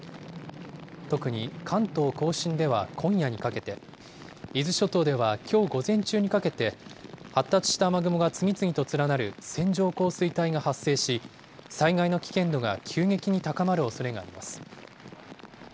特に関東甲信では今夜にかけて、伊豆諸島ではきょう午前中にかけて、発達した雨雲が次々と連なる線状降水帯が発生し、災害の危険度が急激に高まるおそれがあります。